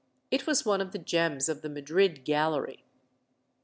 It was one of the gems of the Madrid Gallery.